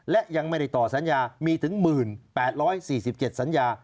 และยังไม่ได้ต่อสัญญามีถึง๑๘๔๗สัญญา